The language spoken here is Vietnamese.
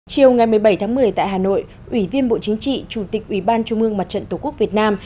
chiều ngày một mươi bảy tháng một mươi tại hà nội ủy viên bộ chính trị chủ tịch ủy ban trung mương mặt trận tổ quốc việt nam